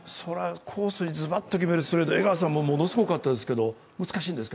コースにずばっと決めるストレート、江川さんもすごかったんですが？